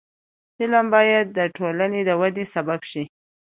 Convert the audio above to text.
فلم باید د ټولنې د ودې سبب شي